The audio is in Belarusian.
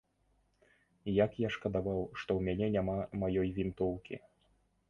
Як я шкадаваў, што ў мяне няма маёй вінтоўкі.